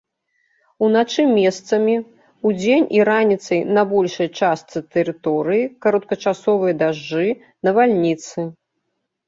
Уначы месцамі, удзень і раніцай на большай частцы тэрыторыі кароткачасовыя дажджы, навальніцы.